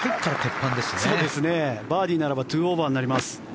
バーディーならば２オーバーになります。